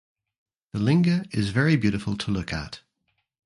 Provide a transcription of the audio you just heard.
The linga is very beautiful to look at.